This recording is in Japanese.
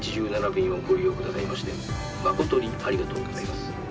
便をご利用くださいまして誠にありがとうございます。